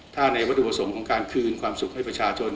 ถ้าในวัตถุประสงค์ของการคืนความสุขให้ประชาชน